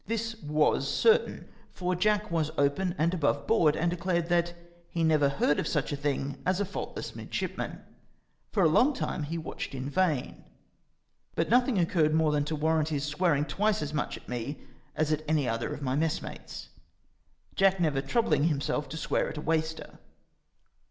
This was certain, for Jack was open and above board, and declared that " he never heard of such a thing as a faultless midshipman !" For a long time he watched in vain, but nothing occurred more than to warrant his swearing twice as much at me as at any other of my messmates. Jack never troubling himself to swear at a waister.